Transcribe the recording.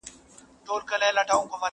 پای لا هم خلاص پاته کيږي،